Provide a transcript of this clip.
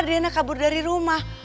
karena adriana kabur dari rumah